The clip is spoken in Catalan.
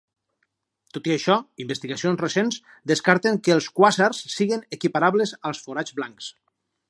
Tot i això, investigacions recents descarten que els quàsars siguen equiparables als forats blancs.